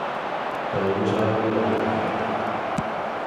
Cada uno sabe a donde le aprieta el zapato.